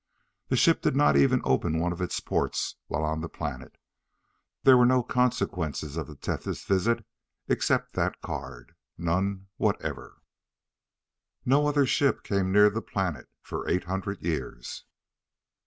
The ship did not even open one of its ports while on the planet. There were no consequences of the Tethys' visit except that card. None whatever. No other ship came near the planet for eight hundred years.